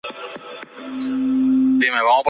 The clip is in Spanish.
Construidas con tratamiento bituminoso o tosca.